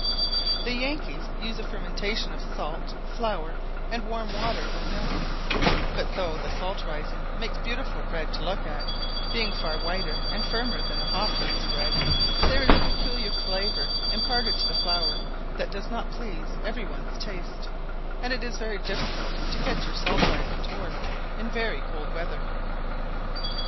] The Yankees use a fermentation of salt, flour, and warm water or milk; but though the salt rising makes beautiful bread to look at, being far whiter and firmer than the hop yeast bread, there is a peculiar flavour imparted to the flour that does not please every one's taste, and it is very difficult to get your salt rising to work in very cold weather.